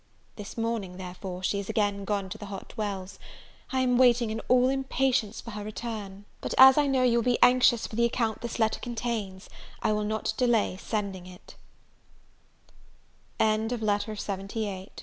This morning, therefore, she is again gone to the Hot Wells. I am waiting in all impatience for her return; but, as I know you will be anxious for the account this letter contains, I will not delay sending it. LETTER LXXIX. EVELINA IN CONTINUATION.